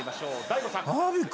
大悟さん